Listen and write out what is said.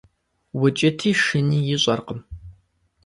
Укӏыти шыни ищӏэркъым.